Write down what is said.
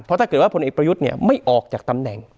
เพราะถ้าเกิดว่าพลเอกประยุทธ์ไม่ออกจากตำแหน่ง